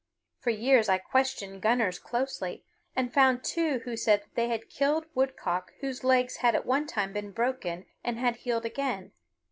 For years I questioned gunners closely, and found two who said that they had killed woodcock whose legs had at one time been broken and had healed again.